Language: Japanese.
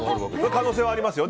可能性はありますよ。